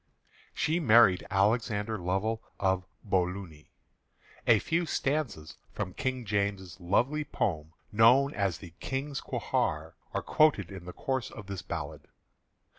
She married Alexander Lovell of Bolunnie. A few stanzas from King James's lovely poem, known as The King's Quhair, are quoted in the course of this ballad.